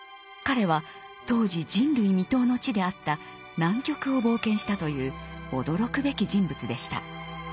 彼は当時人類未踏の地であった南極を冒険したという驚くべき人物でした。